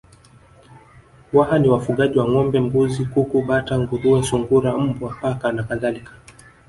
Waha ni wafugaji wa ngombe mbuzi kuku bata nguruwe sungura mbwa paka na kadhalika